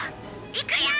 いくよ！